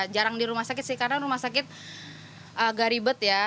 jarang di rumah sakit sih karena rumah sakit agak ribet ya